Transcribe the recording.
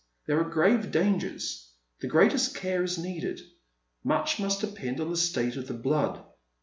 There are grave dangers. The greatest care is needed. Much must depend on the state of the blood.